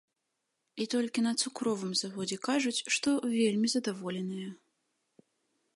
І толькі на цукровым заводзе кажуць, што вельмі задаволеныя.